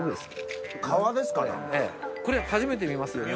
これ初めて見ますよね？